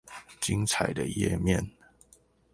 精彩的頁面